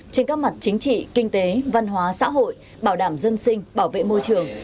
trên các mặt chính trị kinh tế văn hóa xã hội bảo đảm dân sinh bảo vệ môi trường